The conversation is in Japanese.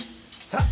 さあ。